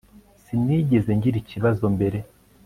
sinigeze ngira iki kibazo mbere